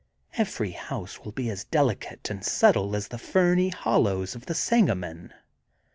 Every house will be as delicate and subtle as the ferny hollows of the Sangamon.